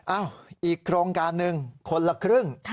อีกโครงการหนึ่งคนละครึ่ง